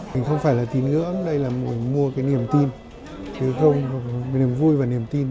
mình không phải là tin ước đây là mình mua cái niềm tin niềm vui và niềm tin